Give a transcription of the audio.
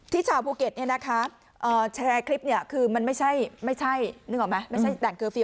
ที่ชาวภูเก็ตแชร์คลิปนี่คือไม่ใช่ด่านเคอร์ฟิล